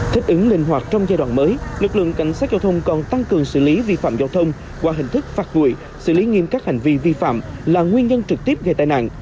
thích ứng linh hoạt trong giai đoạn mới lực lượng cảnh sát giao thông còn tăng cường xử lý vi phạm giao thông qua hình thức phạt nguội xử lý nghiêm các hành vi vi phạm là nguyên nhân trực tiếp gây tai nạn